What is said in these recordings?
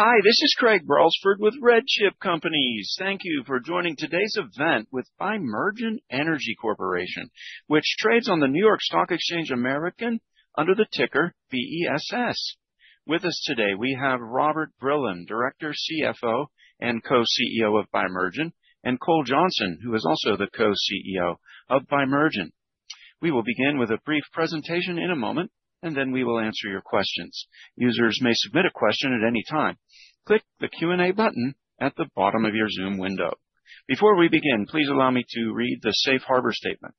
Hi, this is Craig Bradford with RedChip Companies. Thank you for joining today's event with Bimergen Energy Corporation, which trades on the New York Stock Exchange American under the ticker BESS. With us today, we have Robert Brilon, Director, CFO, and Co-CEO of Bimergen, and Cole Johnson, who is also the Co-CEO of Bimergen. We will begin with a brief presentation in a moment, and then we will answer your questions. Users may submit a question at any time. Click the Q&A button at the bottom of your Zoom window. Before we begin, please allow me to read the safe harbor statement.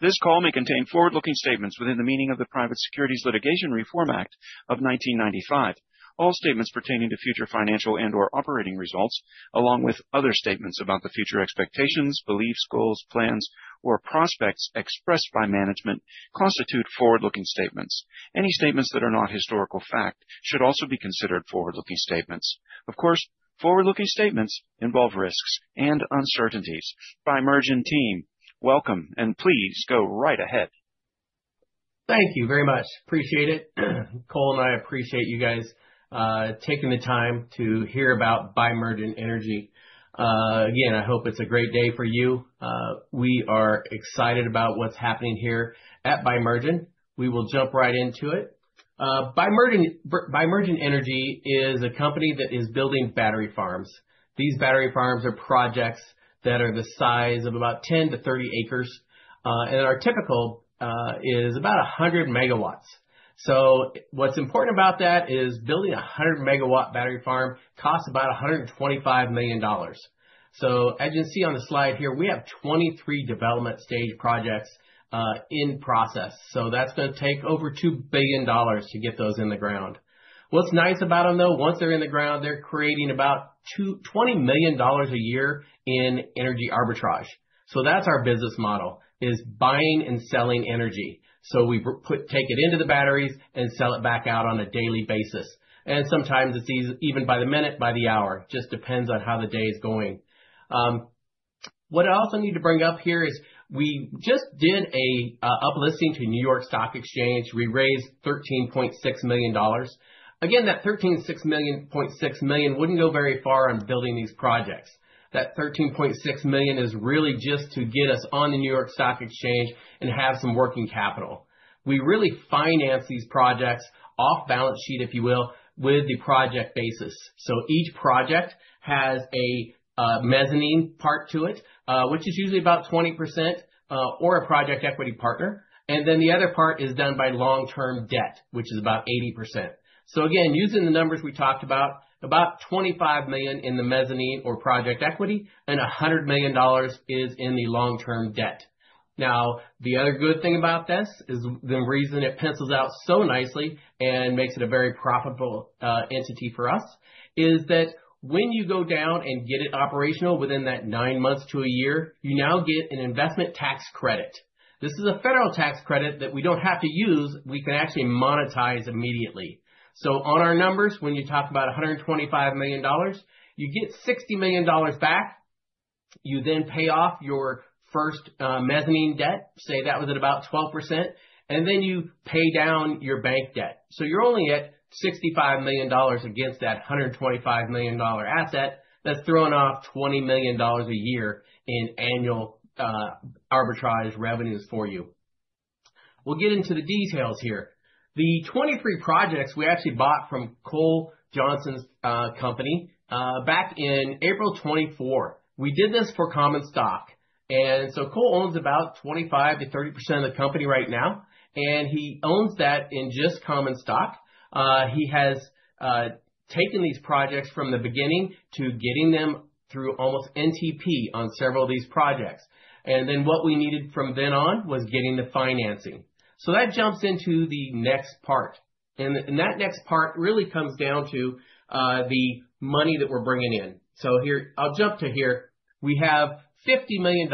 This call may contain forward-looking statements within the meaning of the Private Securities Litigation Reform Act of 1995. All statements pertaining to future financial and/or operating results, along with other statements about the future expectations, beliefs, goals, plans, or prospects expressed by management, constitute forward-looking statements. Any statements that are not historical fact should also be considered forward-looking statements. Of course, forward-looking statements involve risks and uncertainties. Bimergen team, welcome, and please go right ahead. Thank you very much. Appreciate it. Cole and I appreciate you guys taking the time to hear about Bimergen Energy. Again, I hope it's a great day for you. We are excited about what's happening here at Bimergen. We will jump right into it. Bimergen Energy is a company that is building battery farms. These battery farms are projects that are the size of about 10-30 acres, and our typical is about 100 MW. What's important about that is building a 100 MW battery farm costs about $125 million. As you can see on the slide here, we have 23 development stage projects in process. That's going to take over $2 billion to get those in the ground. What's nice about them, though, once they're in the ground, they're creating about $20 million a year in energy arbitrage. That's our business model, is buying and selling energy. We take it into the batteries and sell it back out on a daily basis. Sometimes it's even by the minute, by the hour, just depends on how the day is going. What I also need to bring up here is we just did an uplisting to New York Stock Exchange. We raised $13.6 million. That $13.6 million wouldn't go very far in building these projects. That $13.6 million is really just to get us on the New York Stock Exchange and have some working capital. We really finance these projects off balance sheet, if you will, with the project basis. Each project has a mezzanine part to it, which is usually about 20%, or a project equity partner. The other part is done by long-term debt, which is about 80%. Again, using the numbers we talked about $25 million in the mezzanine or project equity, and $100 million is in the long-term debt. The other good thing about this is the reason it pencils out so nicely and makes it a very profitable entity for us is that when you go down and get it operational within that 9 months to a year, you now get an investment tax credit. This is a federal tax credit that we don't have to use, we can actually monetize immediately. On our numbers, when you talk about $125 million, you get $60 million back. You then pay off your first mezzanine debt, say that was at about 12%, and then you pay down your bank debt. You're only at $65 million against that $125 million asset. That's throwing off $20 million a year in annual arbitrage revenues for you. We'll get into the details here. The 23 projects we actually bought from Cole Johnson's company back in April 2024. We did this for common stock. Cole owns about 25%-30% of the company right now, and he owns that in just common stock. He has taken these projects from the beginning to getting them through almost NTP on several of these projects. What we needed from then on was getting the financing. That jumps into the next part. That next part really comes down to the money that we're bringing in. I'll jump to here. We have $50 million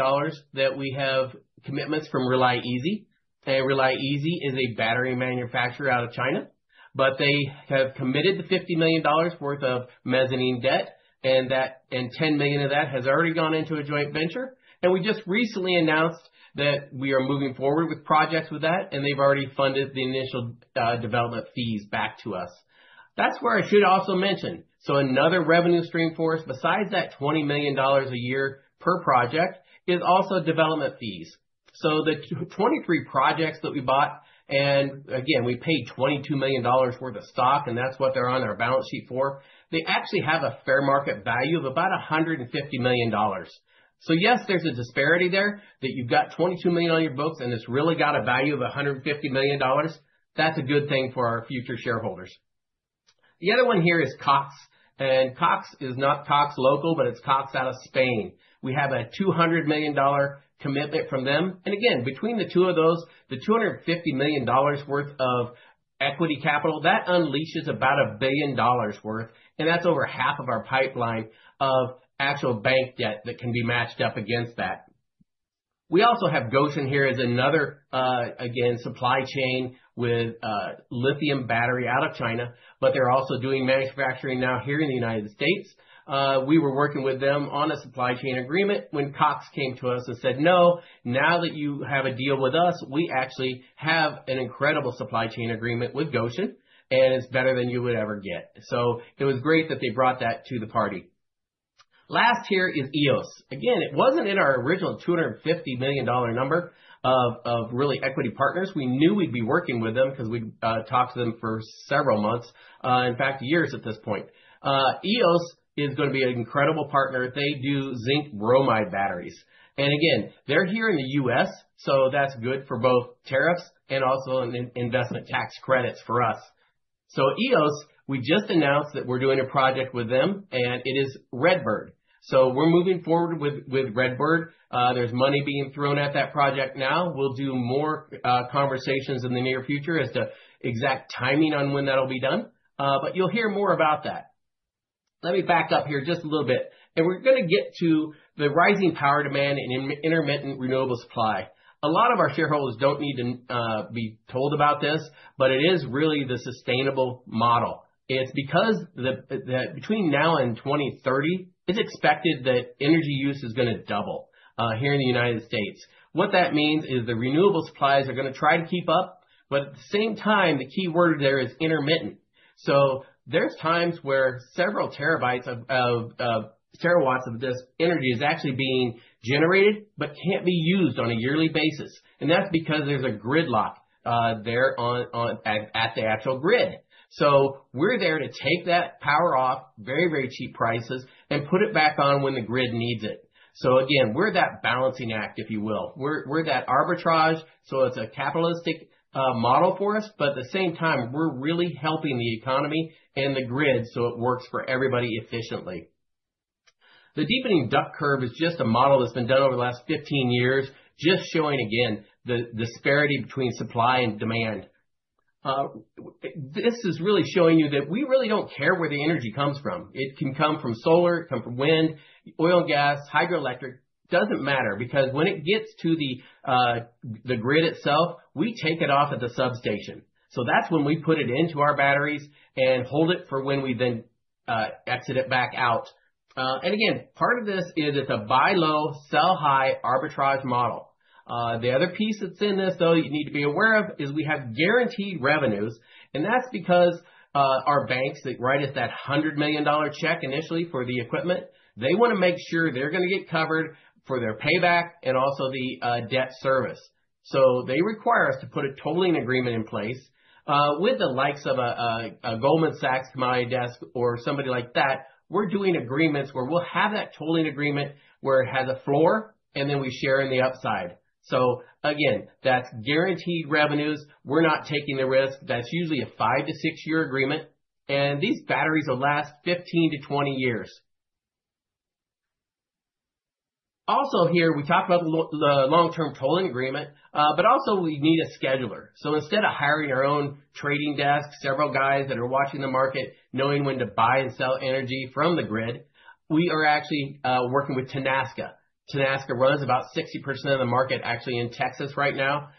that we have commitments from RelyEZ. RelyEZ is a battery manufacturer out of China. They have committed the $50 million worth of mezzanine debt, and $10 million of that has already gone into a joint venture. We just recently announced that we are moving forward with projects with that, and they've already funded the initial development fees back to us. That's where I should also mention, another revenue stream for us, besides that $20 million a year per project, is also development fees. The 23 projects that we bought, and again, we paid $22 million worth of stock, and that's what they're on our balance sheet for. They actually have a fair market value of about $150 million. Yes, there's a disparity there that you've got $22 million on your books, and it's really got a value of $150 million. That's a good thing for our future shareholders. The other one here is Cox. Cox is not Cox local, but it's Cox out of Spain. We have a $200 million commitment from them. Again, between the two of those, the $250 million worth of equity capital, that unleashes about $1 billion worth. That's over half of our pipeline of actual bank debt that can be matched up against that. We also have Gotion here as another, again, supply chain with lithium battery out of China. They're also doing manufacturing now here in the U.S. We were working with them on a supply chain agreement when Cox came to us and said, "No, now that you have a deal with us, we actually have an incredible supply chain agreement with Gotion, and it's better than you would ever get." It was great that they brought that to the party. Last here is Eos. It wasn't in our original $250 million number of really equity partners. We knew we'd be working with them because we'd talked to them for several months, in fact, years at this point. Eos is going to be an incredible partner. They do zinc bromide batteries. Again, they're here in the U.S., so that's good for both tariffs and also investment tax credits for us. Eos, we just announced that we're doing a project with them, and it is Redbird. We're moving forward with Redbird. There's money being thrown at that project now. We'll do more conversations in the near future as to exact timing on when that'll be done. You'll hear more about that. Let me back up here just a little bit, and we're going to get to the rising power demand in intermittent renewable supply. A lot of our shareholders don't need to be told about this, but it is really the sustainable model. It's because between now and 2030, it's expected that energy use is going to double here in the United States. What that means is the renewable supplies are going to try to keep up, but at the same time, the key word there is intermittent. There's times where several terawatts of this energy is actually being generated but can't be used on a yearly basis. That's because there's a gridlock there at the actual grid. We're there to take that power off very, very cheap prices and put it back on when the grid needs it. Again, we're that balancing act, if you will. We're that arbitrage. It's a capitalistic model for us, but at the same time, we're really helping the economy and the grid, it works for everybody efficiently. The deepening duck curve is just a model that's been done over the last 15 years, just showing again the disparity between supply and demand. This is really showing you that we really don't care where the energy comes from. It can come from solar, it can come from wind, oil and gas, hydroelectric. Doesn't matter, because when it gets to the grid itself, we take it off at the substation. That's when we put it into our batteries and hold it for when we then exit it back out. Again, part of this is it's a buy low, sell high arbitrage model. The other piece that's in this, though, that you need to be aware of is we have guaranteed revenues, and that's because our banks that write us that $100 million check initially for the equipment, they want to make sure they're going to get covered for their payback and also the debt service. They require us to put a tolling agreement in place. With the likes of a Goldman Sachs, Marex, or somebody like that, we're doing agreements where we'll have that tolling agreement where it has a floor and then we share in the upside. Again, that's guaranteed revenues. We're not taking the risk. That's usually a five to six-year agreement, these batteries will last 15 to 20 years. Also here, we talked about the long-term tolling agreement, also we need a scheduler. Instead of hiring our own trading desk, several guys that are watching the market, knowing when to buy and sell energy from the grid, we are actually working with Tenaska. Tenaska runs about 60% of the market actually in Texas right now.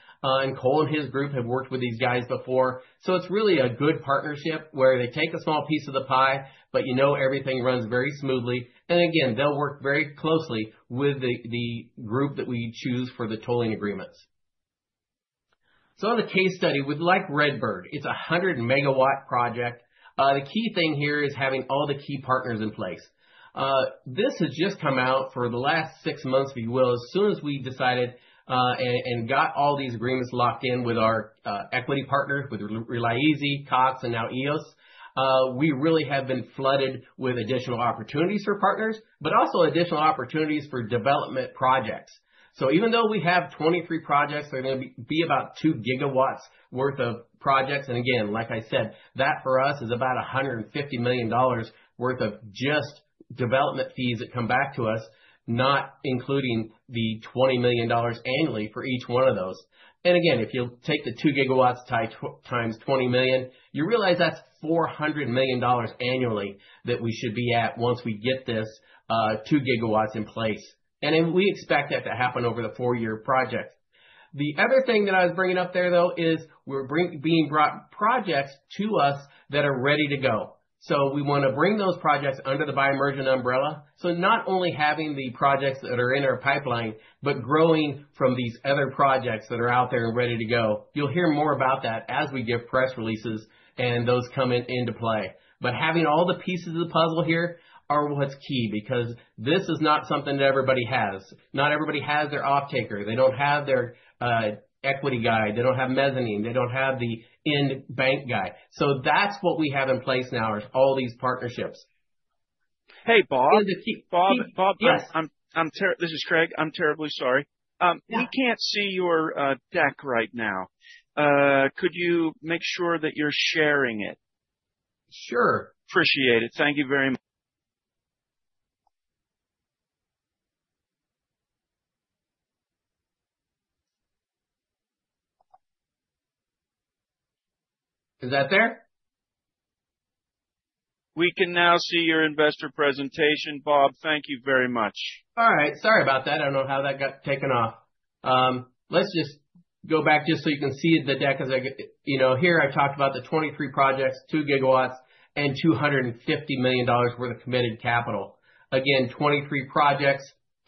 Cole and his group have worked with these guys before. It's really a good partnership where they take a small piece of the pie, but you know everything runs very smoothly, and again, they'll work very closely with the group that we choose for the tolling agreements. The case study with like Redbird, it's a 100 MW project. The key thing here is having all the key partners in place. This has just come out for the last six months, if you will. As soon as we decided and got all these agreements locked in with our equity partners, with RelyEZ, Cox, and now EOS, we really have been flooded with additional opportunities for partners, but also additional opportunities for development projects. Even though we have 23 projects, they're going to be about two GW worth of projects. Again, like I said, that for us is about $150 million worth of just development fees that come back to us, not including the $20 million annually for each one of those. Again, if you take the two GW times $20 million, you realize that's $400 million annually that we should be at once we get this two GW in place. We expect that to happen over the four-year project. The other thing that I was bringing up there, though, is we're being brought projects to us that are ready to go. We want to bring those projects under the Bimergen umbrella. Not only having the projects that are in our pipeline, but growing from these other projects that are out there and ready to go. You'll hear more about that as we give press releases and those come into play. Having all the pieces of the puzzle here are what's key, because this is not something that everybody has. Not everybody has their offtaker. They don't have their equity guy. They don't have mezzanine. They don't have the end bank guy. That's what we have in place now is all these partnerships. Hey, Bob. And the key- Bob? Yes. This is Craig. I'm terribly sorry. Yeah. We can't see your deck right now. Could you make sure that you're sharing it? Sure. Appreciate it. Thank you very. Is that there? We can now see your investor presentation, Bob. Thank you very much. All right. Sorry about that. I don't know how that got taken off. Let's just go back just so you can see the deck as I've talked about the 23 projects, 2 GW, and $250 million worth of committed capital. Again, 23 projects.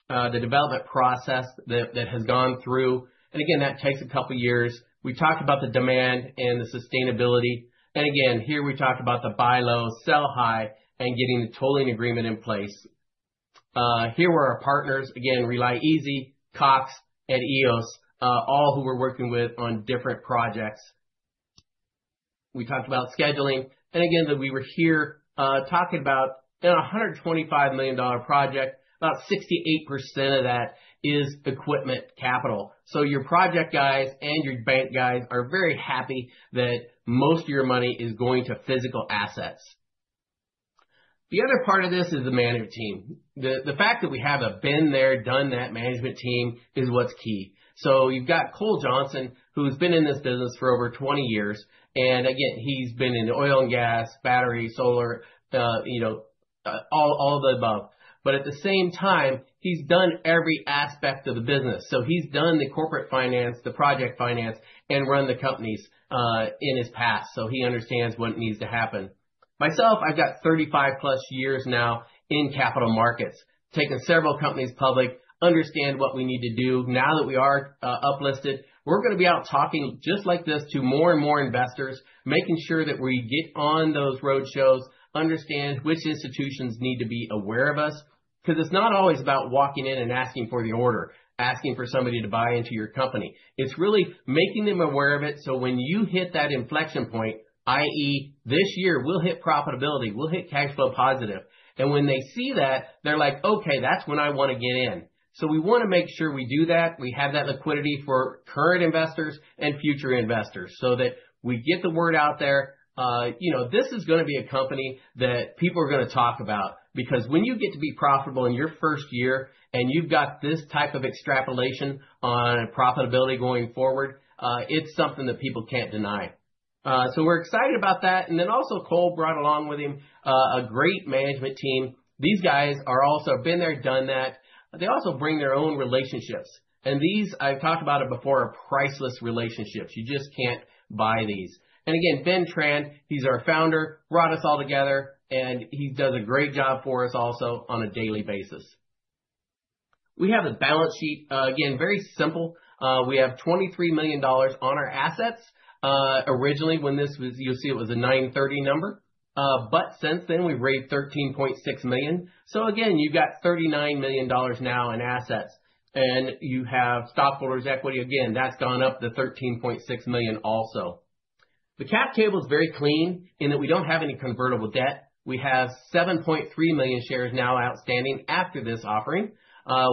The development process that has gone through, and again, that takes a couple of years. We talked about the demand and the sustainability, and again, here we talked about the buy low, sell high, and getting the tolling agreement in place. Here were our partners, again, RelyEZ, Cox, and EOS, all who we're working with on different projects. We talked about scheduling, and again, that we were here talking about a $125 million project, about 68% of that is equipment capital. Your project guys and your bank guys are very happy that most of your money is going to physical assets. The other part of this is the management team. The fact that we have a been-there-done-that management team is what's key. You've got Cole Johnson, who's been in this business for over 20 years. Again, he's been in oil and gas, battery, solar, all of the above. At the same time, he's done every aspect of the business. He's done the corporate finance, the project finance, and run the companies in his past. He understands what needs to happen. Myself, I've got 35+ years now in capital markets, taken several companies public, understand what we need to do now that we are uplisted. We're going to be out talking just like this to more and more investors, making sure that we get on those road shows, understand which institutions need to be aware of us, because it's not always about walking in and asking for the order, asking for somebody to buy into your company. It's really making them aware of it, so when you hit that inflection point, i.e., this year, we'll hit profitability, we'll hit cash flow positive. When they see that, they're like, "Okay, that's when I want to get in." We want to make sure we do that. We have that liquidity for current investors and future investors so that we get the word out there. This is going to be a company that people are going to talk about because when you get to be profitable in your first year and you've got this type of extrapolation on profitability going forward, it's something that people can't deny. We're excited about that. Cole brought along with him a great management team. These guys are also been-there-done-that, but they also bring their own relationships. These, I've talked about it before, are priceless relationships. You just can't buy these. Again, Ben Tran, he's our founder, brought us all together, and he does a great job for us also on a daily basis. We have a balance sheet. Again, very simple. We have $23 million on our assets. Originally, you'll see it was a 930 number. Since then, we've raised $13.6 million. Again, you have $39 million now in assets, and you have stockholders' equity. Again, that's gone up to $13.6 million also. The cap table is very clean in that we don't have any convertible debt. We have 7.3 million shares now outstanding after this offering.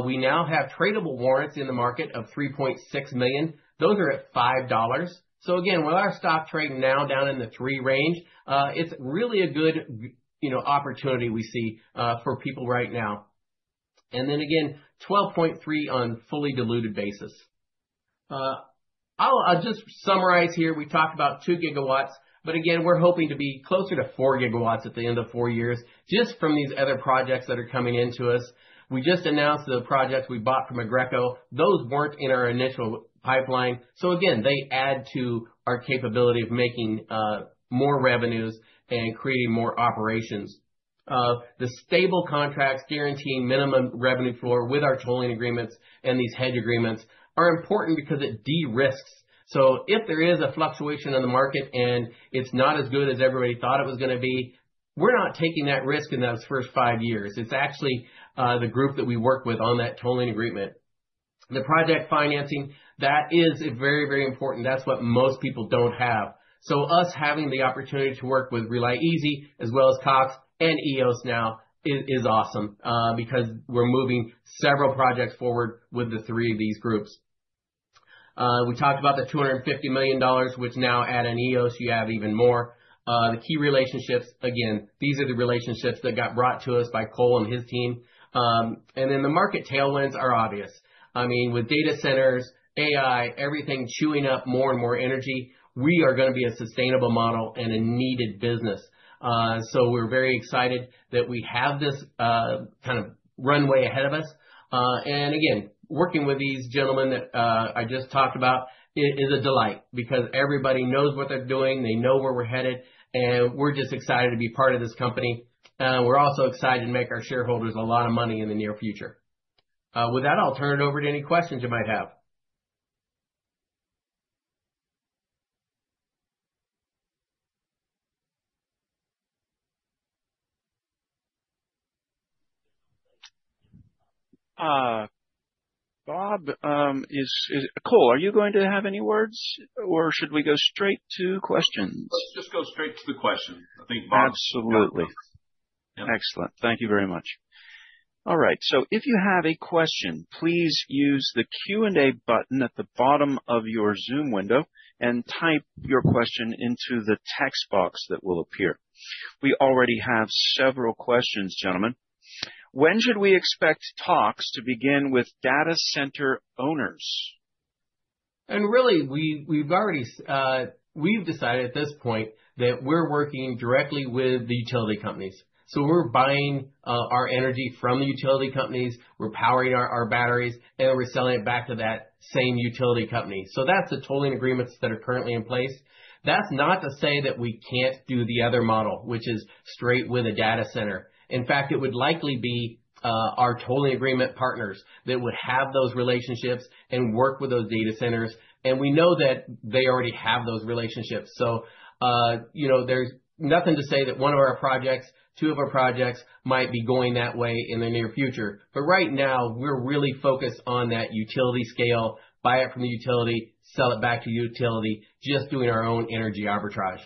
We now have tradable warrants in the market of 3.6 million. Those are at $5. With our stock trading now down in the three range, it's really a good opportunity we see for people right now. 12.3 on a fully diluted basis. I'll just summarize here. We talked about 2 GW, but again, we're hoping to be closer to 4 GW at the end of four years just from these other projects that are coming into us. We just announced the projects we bought from Aggreko. Those weren't in our initial pipeline. Again, they add to our capability of making more revenues and creating more operations. The stable contracts guaranteeing minimum revenue floor with our tolling agreements and these hedge agreements are important because it de-risks. If there is a fluctuation in the market and it's not as good as everybody thought it was going to be, we're not taking that risk in those first five years. It's actually the group that we work with on that tolling agreement. The project financing, that is very important. That's what most people don't have. Us having the opportunity to work with RelyEZ as well as Cox and Eos now is awesome because we're moving several projects forward with the three of these groups. We talked about the $250 million, which now add in Eos, you have even more. The key relationships, again, these are the relationships that got brought to us by Cole and his team. The market tailwinds are obvious. With data centers, AI, everything chewing up more and more energy, we are going to be a sustainable model and a needed business. We're very excited that we have this kind of runway ahead of us. Working with these gentlemen that I just talked about is a delight because everybody knows what they're doing, they know where we're headed, and we're just excited to be part of this company. We're also excited to make our shareholders a lot of money in the near future. With that, I'll turn it over to any questions you might have. Bob, Cole, are you going to have any words or should we go straight to questions? Let's just go straight to the question. I think Bob. Absolutely. Yeah. Excellent. Thank you very much. All right. If you have a question, please use the Q&A button at the bottom of your Zoom window and type your question into the text box that will appear. We already have several questions, gentlemen. When should we expect talks to begin with data center owners? Really, we've decided at this point that we're working directly with the utility companies. We're buying our energy from the utility companies, we're powering our batteries, and we're selling it back to that same utility company. That's the tolling agreements that are currently in place. That's not to say that we can't do the other model, which is straight with a data center. In fact, it would likely be our tolling agreement partners that would have those relationships and work with those data centers. We know that they already have those relationships. There's nothing to say that one of our projects, two of our projects might be going that way in the near future. Right now, we're really focused on that utility scale, buy it from the utility, sell it back to utility, just doing our own energy arbitrage.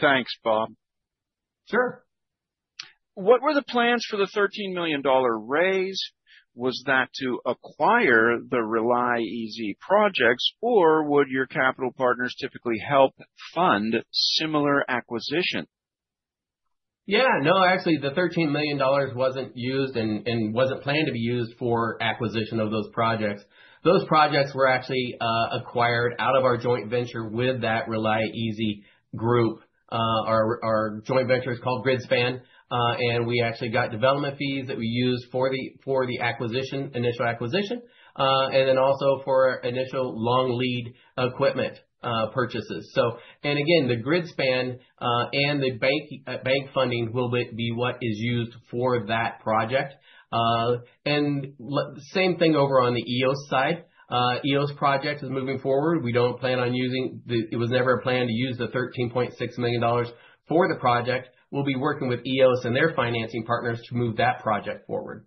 Thanks, Bob. Sure. What were the plans for the $13 million raise? Was that to acquire the RelyEZ projects, would your capital partners typically help fund similar acquisition? Yeah. No, actually, the $13 million wasn't used and wasn't planned to be used for acquisition of those projects. Those projects were actually acquired out of our joint venture with that RelyEZ group. Our joint venture is called GridSpan. We actually got development fees that we used for the initial acquisition, and then also for initial long lead equipment purchases. Again, the GridSpan and the bank funding will be what is used for that project. Same thing over on the EOS side. EOS project is moving forward. It was never planned to use the $13.6 million for the project. We'll be working with EOS and their financing partners to move that project forward.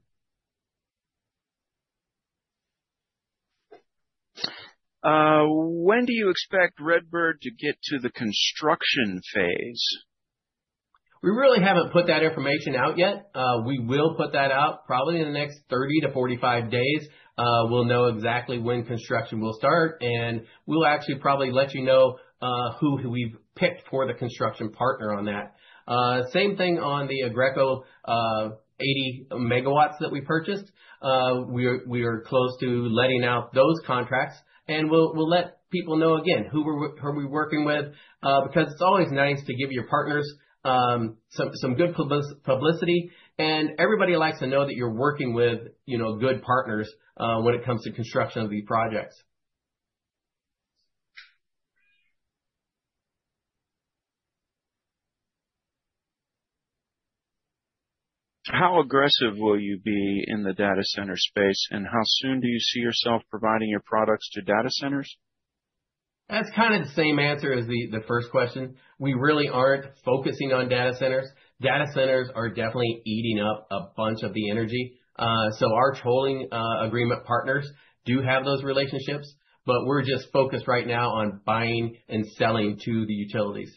When do you expect Redbird to get to the construction phase? We really haven't put that information out yet. We will put that out probably in the next 30 to 45 days. We'll know exactly when construction will start, and we'll actually probably let you know who we've picked for the construction partner on that. Same thing on the Aggreko 80 MW that we purchased. We are close to letting out those contracts, and we'll let people know again who we're working with because it's always nice to give your partners some good publicity. Everybody likes to know that you're working with good partners when it comes to construction of these projects. How aggressive will you be in the data center space, and how soon do you see yourself providing your products to data centers? That's kind of the same answer as the first question. We really aren't focusing on data centers. Data centers are definitely eating up a bunch of the energy. Our tolling agreement partners do have those relationships, but we're just focused right now on buying and selling to the utilities.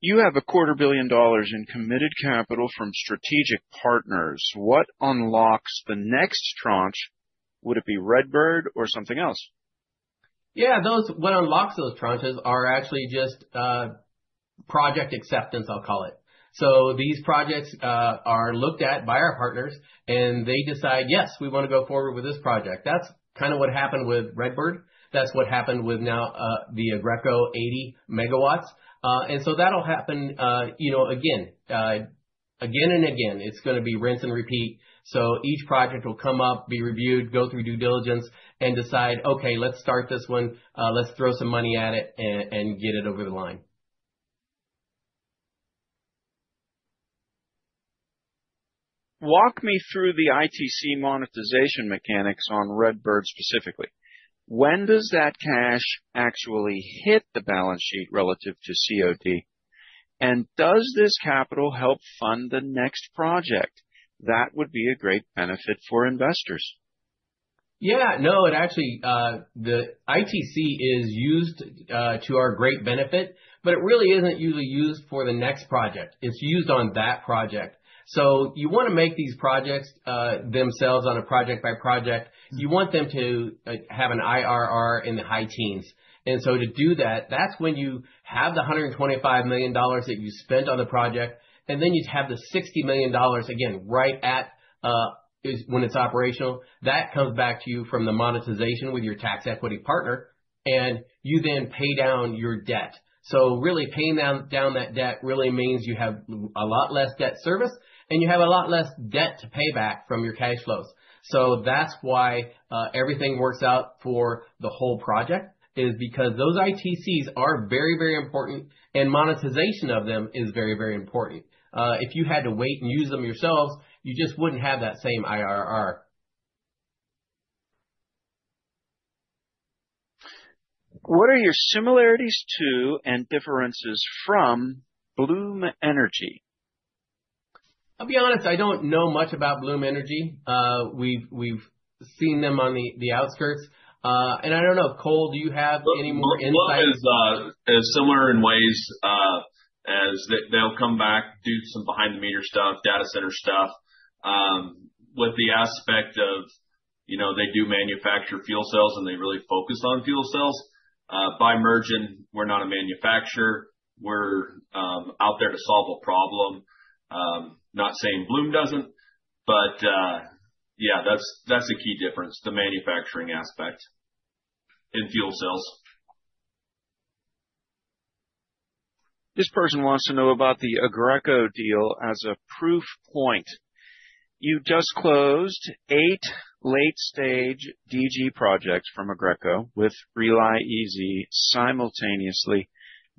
You have a quarter billion dollars in committed capital from strategic partners. What unlocks the next tranche? Would it be Redbird or something else? What unlocks those tranches are actually just project acceptance, I'll call it. These projects are looked at by our partners, and they decide, yes, we want to go forward with this project. That's kind of what happened with Redbird. That's what happened with now the Aggreko 80 MW. That'll happen again and again. It's going to be rinse and repeat. Each project will come up, be reviewed, go through due diligence and decide, okay, let's start this one. Let's throw some money at it and get it over the line. Walk me through the ITC monetization mechanics on Redbird specifically. When does that cash actually hit the balance sheet relative to COD? Does this capital help fund the next project? That would be a great benefit for investors. Yeah. No, actually, the ITC is used to our great benefit, but it really isn't usually used for the next project. It's used on that project. You want to make these projects themselves on a project-by-project. You want them to have an IRR in the high teens. To do that's when you have the $125 million that you spent on the project, and then you have the $60 million again, right at, when it's operational. That comes back to you from the monetization with your tax equity partner, and you then pay down your debt. Really paying down that debt really means you have a lot less debt service, and you have a lot less debt to pay back from your cash flows. That's why everything works out for the whole project, is because those ITCs are very important, and monetization of them is very important. If you had to wait and use them yourselves, you just wouldn't have that same IRR. What are your similarities to and differences from Bloom Energy? I'll be honest, I don't know much about Bloom Energy. We've seen them on the outskirts. I don't know, Cole, do you have any more insight? Bloom is similar in ways as they'll come back, do some behind-the-meter stuff, data center stuff. With the aspect of they do manufacture fuel cells and they really focus on fuel cells. Bimergen, we're not a manufacturer. We're out there to solve a problem. Not saying Bloom doesn't, but yeah. That's the key difference, the manufacturing aspect in fuel cells. This person wants to know about the Aggreko deal as a proof point. You just closed eight late-stage DG projects from Aggreko with RelyEZ simultaneously.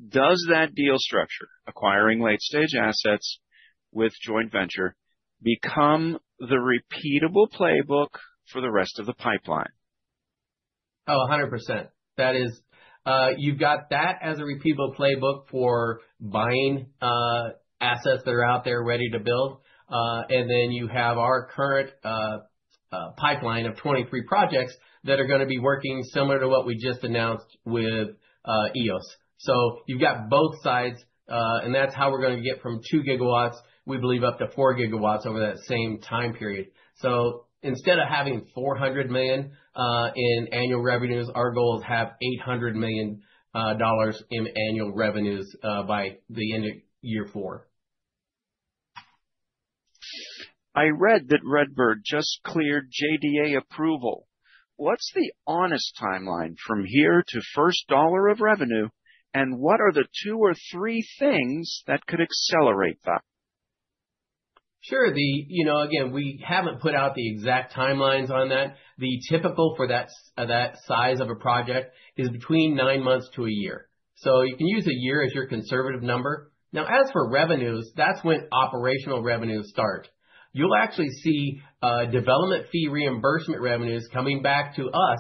Does that deal structure, acquiring late-stage assets with joint venture, become the repeatable playbook for the rest of the pipeline? 100%. You've got that as a repeatable playbook for buying assets that are out there ready to build. You have our current pipeline of 23 projects that are going to be working similar to what we just announced with EOS. You've got both sides, and that's how we're going to get from 2 GW, we believe, up to 4 GW over that same time period. Instead of having $400 million in annual revenues, our goal is have $800 million in annual revenues by the end of year four. I read that Redbird just cleared JDA approval. What's the honest timeline from here to first dollar of revenue, and what are the two or three things that could accelerate that? We haven't put out the exact timelines on that. The typical for that size of a project is between nine months to a year. You can use a year as your conservative number. Now, as for revenues, that's when operational revenues start. You'll actually see development fee reimbursement revenues coming back to us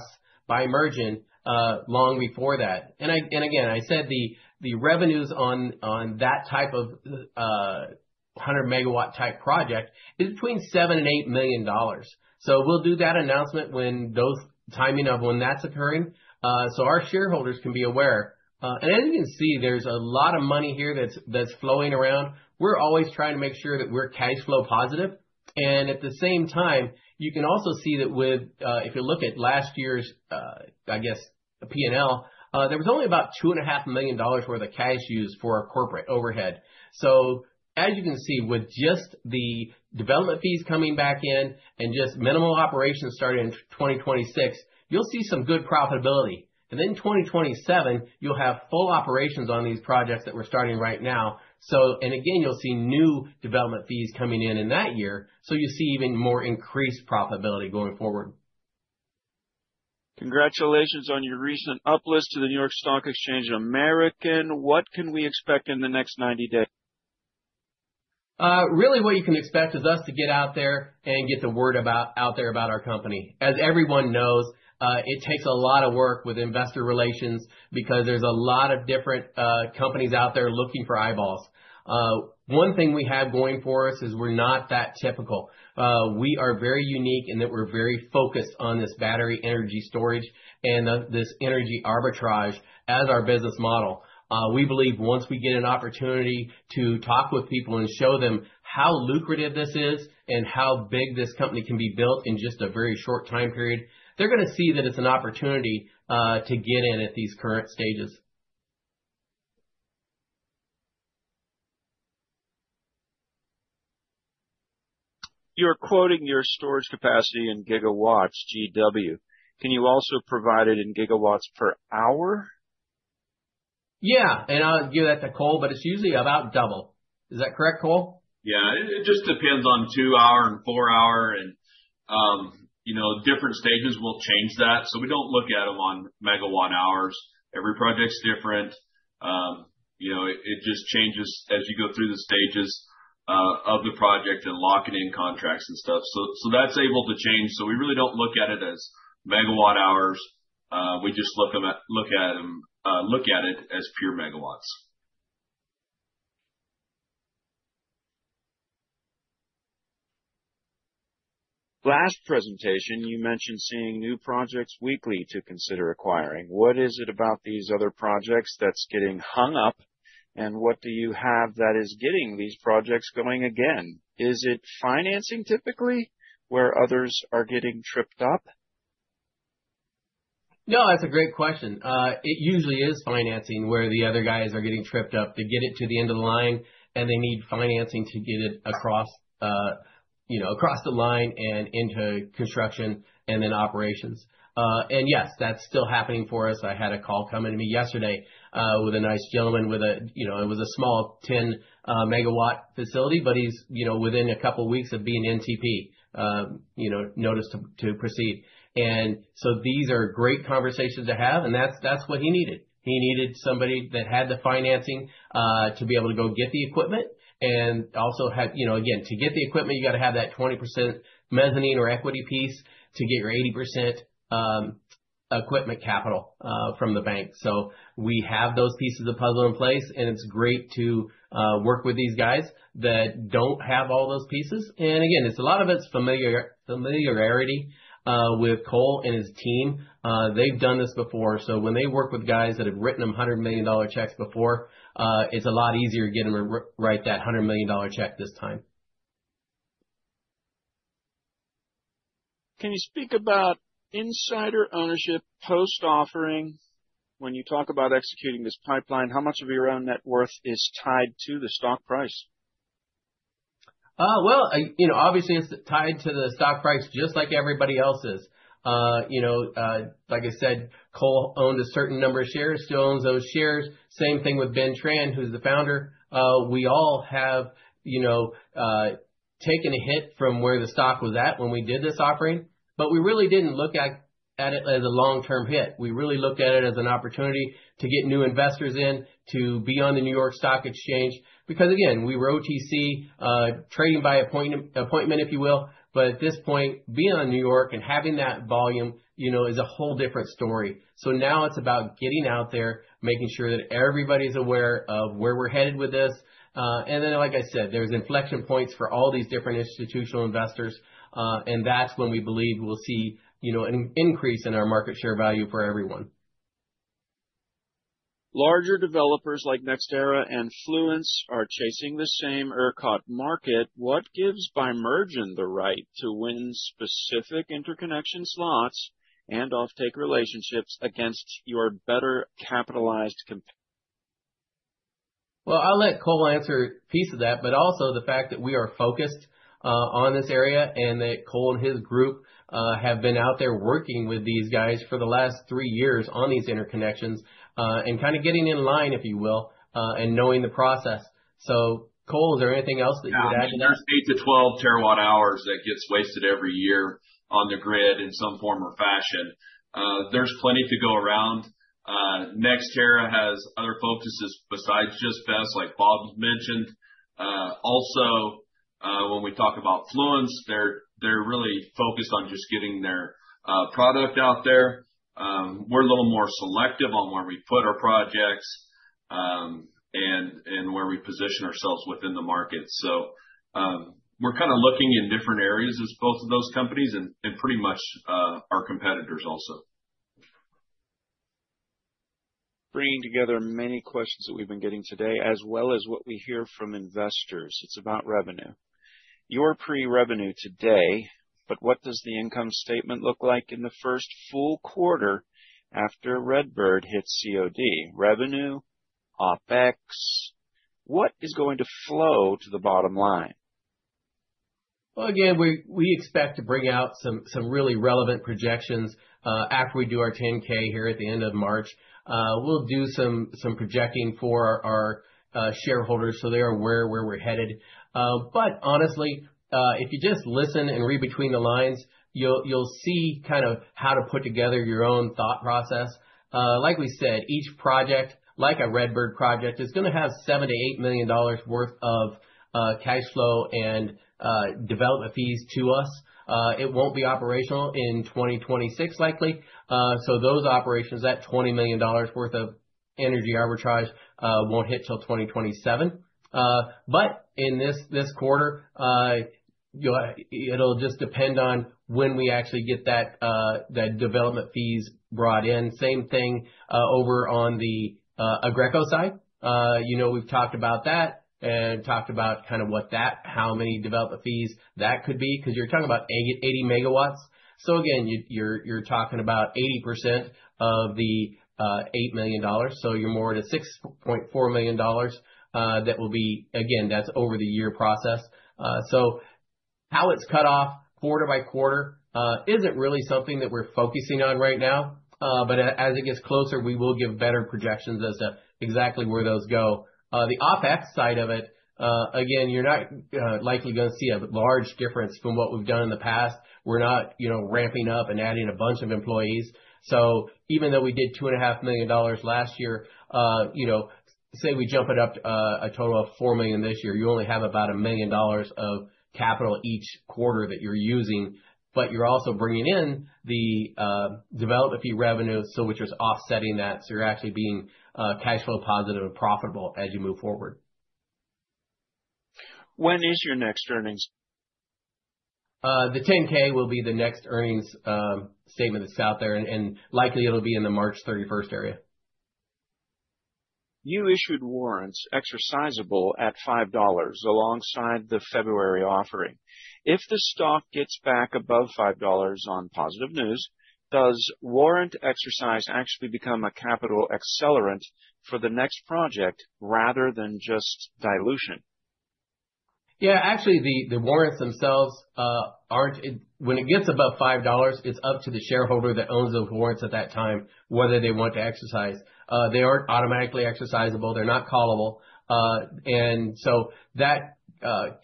Bimergen long before that. I said the revenues on that type of 100 MW type project is between $7 million and $8 million. We'll do that announcement when those timing of when that's occurring, so our shareholders can be aware. As you can see, there's a lot of money here that's flowing around. We're always trying to make sure that we're cash flow positive, and at the same time, you can also see that with, if you look at last year's P&L, there was only about $2.5 million worth of cash used for our corporate overhead. As you can see, with just the development fees coming back in and just minimal operations starting in 2026, you'll see some good profitability. In 2027, you'll have full operations on these projects that we're starting right now. You'll see new development fees coming in in that year, so you see even more increased profitability going forward. Congratulations on your recent uplist to the NYSE American. What can we expect in the next 90 days? Really what you can expect is us to get out there and get the word out there about our company. As everyone knows, it takes a lot of work with investor relations because there's a lot of different companies out there looking for eyeballs. One thing we have going for us is we're not that typical. We are very unique and that we're very focused on this battery energy storage and this energy arbitrage as our business model. We believe once we get an opportunity to talk with people and show them how lucrative this is and how big this company can be built in just a very short time period, they're going to see that it's an opportunity to get in at these current stages. You're quoting your storage capacity in gigawatts, GW. Can you also provide it in gigawatts per hour? Yeah. I'll give that to Cole, but it's usually about double. Is that correct, Cole? Yeah. It just depends on two-hour and four-hour and different stages will change that. We don't look at them on megawatt hours. Every project's different. It just changes as you go through the stages of the project and locking in contracts and stuff. That's able to change. We really don't look at it as megawatt hours. We just look at it as pure megawatts. Last presentation, you mentioned seeing new projects weekly to consider acquiring. What is it about these other projects that's getting hung up, and what do you have that is getting these projects going again? Is it financing typically where others are getting tripped up? No, that's a great question. It usually is financing where the other guys are getting tripped up. They get it to the end of the line and they need financing to get it across the line and into construction and then operations. Yes, that's still happening for us. I had a call come in to me yesterday with a nice gentleman with a small 10 MW facility, but he's within a couple of weeks of being NTP, notice to proceed. These are great conversations to have, and that's what he needed. He needed somebody that had the financing to be able to go get the equipment and also had, again, to get the equipment, you got to have that 20% mezzanine or equity piece to get your 80% equipment capital from the bank. We have those pieces of the puzzle in place, and it's great to work with these guys that don't have all those pieces. Again, a lot of it's familiarity with Cole and his team. They've done this before. When they work with guys that have written them $100 million checks before, it's a lot easier to get them to write that $100 million check this time. Can you speak about insider ownership post-offering? When you talk about executing this pipeline, how much of your own net worth is tied to the stock price? Well, obviously it's tied to the stock price just like everybody else's. Like I said, Cole owned a certain number of shares, still owns those shares. Same thing with Benjamin Tran, who's the founder. We all have taken a hit from where the stock was at when we did this offering, but we really didn't look at it as a long-term hit. We really looked at it as an opportunity to get new investors in to be on the New York Stock Exchange. Again, we were OTC, trading by appointment, if you will. At this point, being on New York and having that volume, is a whole different story. Now it's about getting out there, making sure that everybody's aware of where we're headed with this. Then, like I said, there's inflection points for all these different institutional investors. That's when we believe we'll see an increase in our market share value for everyone. Larger developers like NextEra and Fluence are chasing the same ERCOT market. What gives Bimergen the right to win specific interconnection slots and offtake relationships against your better capitalized Well, I'll let Cole answer a piece of that, but also the fact that we are focused on this area and that Cole and his group have been out there working with these guys for the last three years on these interconnections, and getting in line, if you will, and knowing the process. Cole, is there anything else that you'd add to that? Yeah. I mean, there's eight to 12 terawatt hours that gets wasted every year on the grid in some form or fashion. There's plenty to go around. NextEra has other focuses besides just BESS, like Bob mentioned. Also, when we talk about Fluence, they're really focused on just getting their product out there. We're a little more selective on where we put our projects, and where we position ourselves within the market. We're kind of looking in different areas as both of those companies and pretty much, our competitors also. Bringing together many questions that we've been getting today, as well as what we hear from investors. It's about revenue. You're pre-revenue today, what does the income statement look like in the first full quarter after Redbird hits COD? Revenue, OpEx, what is going to flow to the bottom line? Well, again, we expect to bring out some really relevant projections, after we do our 10-K here at the end of March. We'll do some projecting for our shareholders so they are aware where we're headed. Honestly, if you just listen and read between the lines, you'll see how to put together your own thought process. Like we said, each project, like a Redbird project, is going to have $78 million worth of cash flow and development fees to us. It won't be operational in 2026, likely. Those operations, that $20 million worth of energy arbitrage, won't hit till 2027. In this quarter, it'll just depend on when we actually get that development fees brought in. Same thing over on the Aggreko side. We've talked about that and talked about how many development fees that could be, because you're talking about 80 MW. Again, you're talking about 80% of the $8 million. You're more at a $6.4 million. Again, that's over the year process. How it's cut off quarter by quarter isn't really something that we're focusing on right now. As it gets closer, we will give better projections as to exactly where those go. The OpEx side of it, again, you're not likely going to see a large difference from what we've done in the past. We're not ramping up and adding a bunch of employees. Even though we did $2.5 million last year, say we jump it up a total of $4 million this year. You only have about $1 million of capital each quarter that you're using, but you're also bringing in the development fee revenue, which is offsetting that, so you're actually being cash flow positive and profitable as you move forward. When is your next earnings? The 10-K will be the next earnings statement that's out there, and likely it'll be in the March 31st area. You issued warrants exercisable at $5 alongside the February offering. If the stock gets back above $5 on positive news, does warrant exercise actually become a capital accelerant for the next project rather than just dilution? Yeah, actually the warrants themselves, when it gets above $5, it's up to the shareholder that owns those warrants at that time, whether they want to exercise. They aren't automatically exercisable. They're not callable. That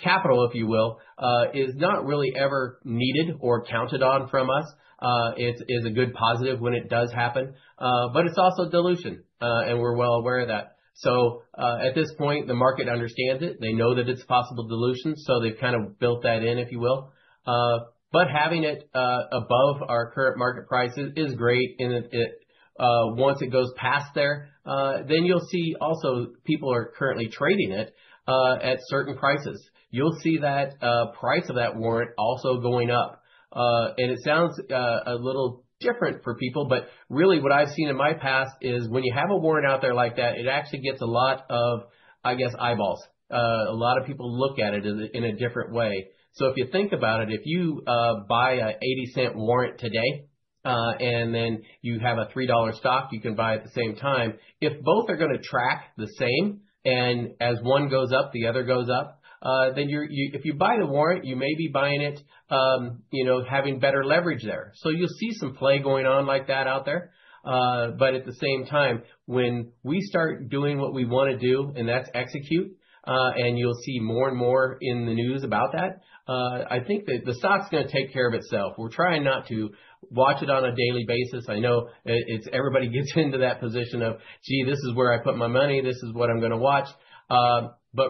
capital, if you will, is not really ever needed or counted on from us. It is a good positive when it does happen. It's also dilution, and we're well aware of that. At this point, the market understands it. They know that it's possible dilution, so they've kind of built that in, if you will. Having it above our current market price is great, and once it goes past there, then you'll see also people are currently trading it at certain prices. You'll see that price of that warrant also going up. It sounds a little different for people, but really what I've seen in my past is when you have a warrant out there like that, it actually gets a lot of eyeballs. A lot of people look at it in a different way. If you think about it, if you buy an $0.80 warrant today And then you have a $3 stock you can buy at the same time. If both are going to track the same and as one goes up, the other goes up, then if you buy the warrant, you may be buying it having better leverage there. You'll see some play going on like that out there. At the same time, when we start doing what we want to do, and that's execute. You'll see more and more in the news about that, I think the stock's going to take care of itself. We're trying not to watch it on a daily basis. I know everybody gets into that position of, "Gee, this is where I put my money. This is what I'm going to watch."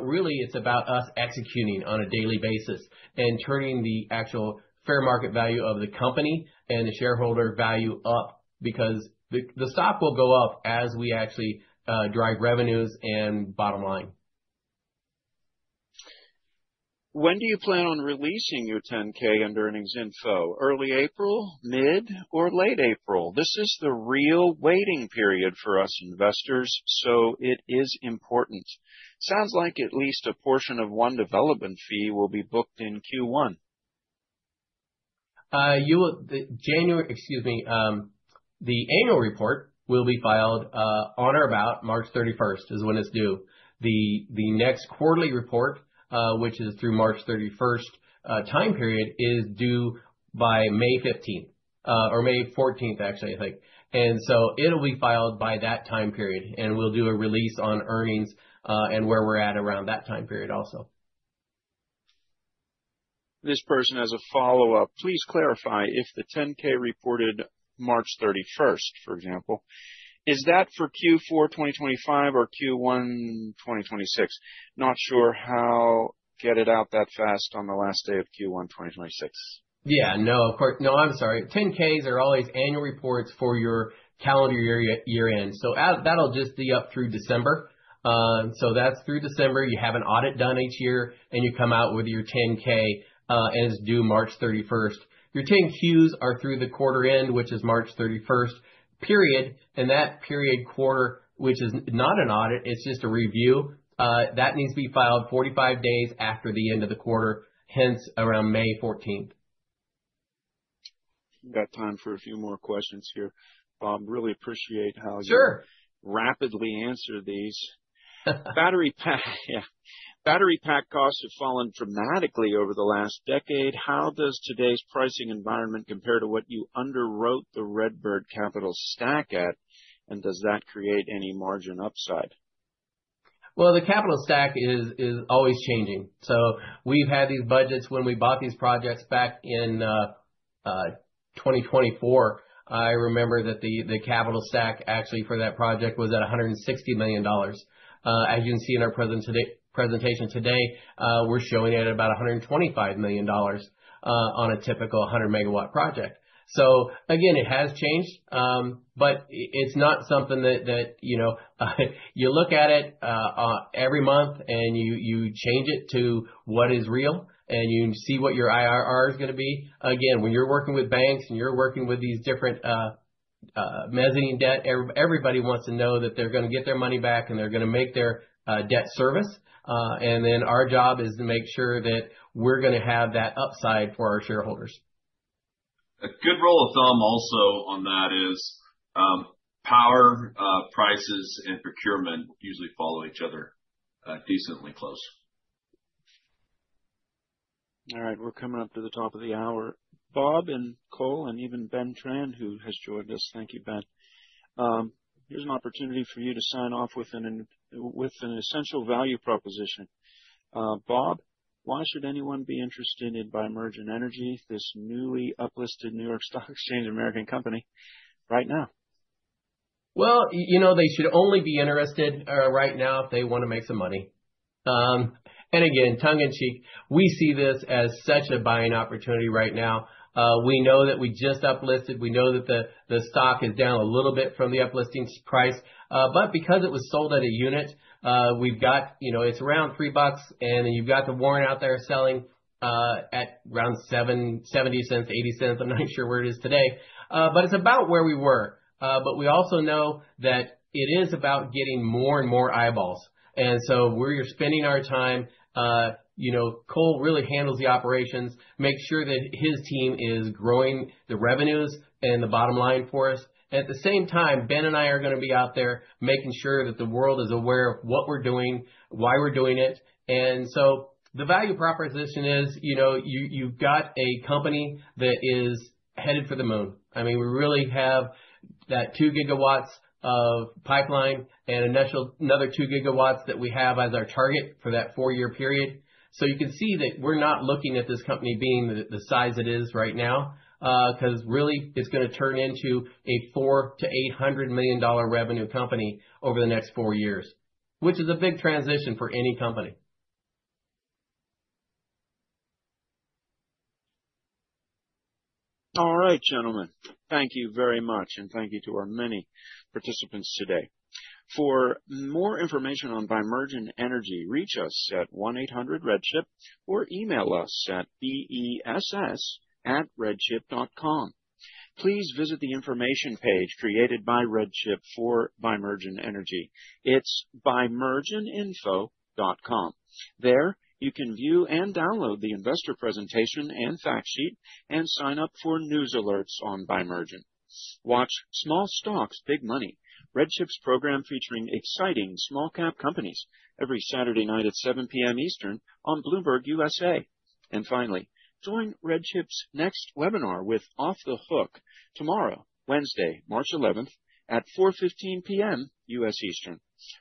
Really, it's about us executing on a daily basis and turning the actual fair market value of the company and the shareholder value up because the stock will go up as we actually drive revenues and bottom line. When do you plan on releasing your 10-K and earnings info? Early April, mid, or late April? This is the real waiting period for us investors, so it is important. Sounds like at least a portion of one development fee will be booked in Q1. The annual report will be filed on or about March 31st, is when it's due. The next quarterly report, which is through March 31st time period, is due by May 15th, or May 14th, actually. It'll be filed by that time period, and we'll do a release on earnings, and where we're at around that time period also. This person has a follow-up. Please clarify if the 10-K reported March 31st, for example, is that for Q4 2025 or Q1 2026? Not sure how to get it out that fast on the last day of Q1 2026. No, I'm sorry. 10-Ks are always annual reports for your calendar year-end. So that'll just be up through December. So that's through December. You have an audit done each year, and you come out with your 10-K, and it's due March 31st. Your 10-Qs are through the quarter end, which is March 31st period. That period quarter, which is not an audit, it's just a review. That needs to be filed 45 days after the end of the quarter, hence around May 14th. Got time for a few more questions here. Bob, really appreciate how you Sure rapidly answer these. Battery pack costs have fallen dramatically over the last decade. How does today's pricing environment compare to what you underwrote the Redbird capital stack at? Does that create any margin upside? Well, the capital stack is always changing. We've had these budgets when we bought these projects back in 2024. I remember that the capital stack actually for that project was at $160 million. As you can see in our presentation today, we're showing it at about $125 million on a typical 100 MW project. Again, it has changed, but it's not something that you look at it every month and you change it to what is real, and you see what your IRR is going to be. Again, when you're working with banks and you're working with these different mezzanine debt, everybody wants to know that they're going to get their money back and they're going to make their debt service. Our job is to make sure that we're going to have that upside for our shareholders. A good rule of thumb also on that is power prices and procurement usually follow each other decently close. All right. We're coming up to the top of the hour. Bob and Cole, and even Benjamin Tran, who has joined us. Thank you, Ben. Here's an opportunity for you to sign off with an essential value proposition. Bob, why should anyone be interested in Bimergen Energy, this newly up-listed NYSE American company right now? Well, they should only be interested right now if they want to make some money. Again, tongue in cheek, we see this as such a buying opportunity right now. We know that we just up-listed. We know that the stock is down a little bit from the up-listing price. Because it was sold at a unit, it's around $3, and you've got the warrant out there selling at around $0.70, $0.80. I'm not sure where it is today. It's about where we were. We also know that it is about getting more and more eyeballs. We're spending our time. Cole really handles the operations, makes sure that his team is growing the revenues and the bottom line for us. At the same time, Ben and I are going to be out there making sure that the world is aware of what we're doing, why we're doing it. The value proposition is you've got a company that is headed for the moon. We really have that 2 GW of pipeline and another 2 GW that we have as our target for that 4-year period. You can see that we're not looking at this company being the size it is right now. Really it's going to turn into a $400 million-$800 million revenue company over the next 4 years, which is a big transition for any company. All right, gentlemen. Thank you very much, and thank you to our many participants today. For more information on Bimergen Energy, reach us at 1-800-REDCHIP or email us at bess@redchip.com. Please visit the information page created by RedChip for Bimergen Energy. It's bimergeninfo.com. There you can view and download the investor presentation and fact sheet and sign up for news alerts on Bimergen. Watch Small Stocks, Big Money, RedChip's program featuring exciting small cap companies every Saturday night at 7:00 P.M. Eastern on Bloomberg USA. Finally, join RedChip's next webinar with Off The Hook tomorrow, Wednesday, March 11th at 4:15 P.M., U.S. Eastern.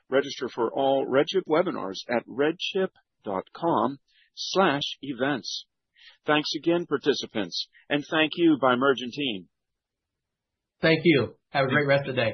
Register for all RedChip webinars at redchip.com/events. Thanks again, participants, and thank you Bimergen team. Thank you. Have a great rest of the day.